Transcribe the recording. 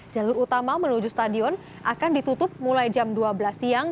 jalur utama menuju stadion akan ditutup mulai jam dua belas siang